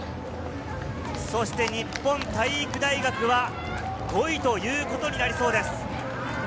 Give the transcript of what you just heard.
そして日本体育大学は５位ということになりそうです。